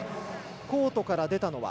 コートから出たのは。